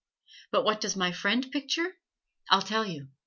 But what does my friend picture? I'll tell you.